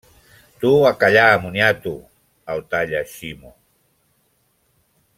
—Tu a callar! Moniato! –el tallà Ximo–.